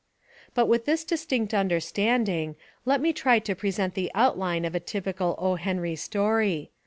But with this distinct understanding, let me try to present the outline of a typical O. Henry story.